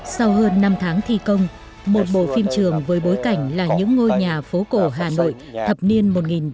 sau hơn năm tháng thi công một bộ phim trường với bối cảnh là những ngôi nhà phố cổ hà nội thập niên một nghìn chín trăm bảy mươi